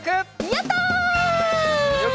やったね！